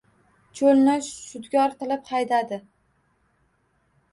Cho‘lni shudgor qilib haydadi.